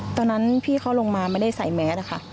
ตอนนั้นพี่เขาลงมาไม่ได้ใส่แมสนะคะ